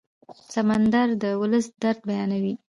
سندره د ولس درد بیانوي